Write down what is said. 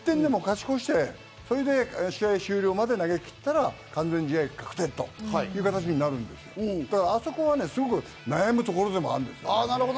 １点でも勝ち越して、それで試合終了まで投げたら完全試合確定という形なるんですけど、あそこはすごく悩むところでもある。